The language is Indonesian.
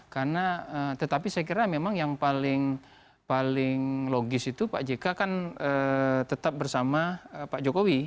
karena tetapi saya kira memang yang paling logis itu pak jk kan tetap bersama pak jokowi